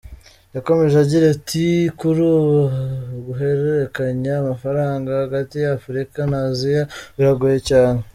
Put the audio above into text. Yakomeje agira ati “Kuri ubu guhererekanya amafaranga hagati ya Afurika na Aziya biragoye cyane.